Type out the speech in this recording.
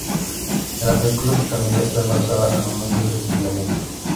En la película Camila está embarazada al momento de su fusilamiento.